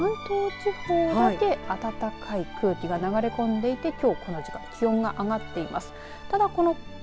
この関東地方だけ暖かい空気が流れ込んでいてきょうこの時間気温が上がってます。